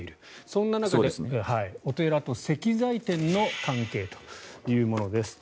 そんな中でお寺と石材店の関係というものです。